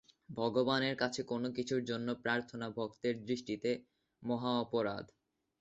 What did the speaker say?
ভগবানের কাছে কোন কিছুর জন্য প্রার্থনা ভক্তের দৃষ্টিতে মহা অপরাধ।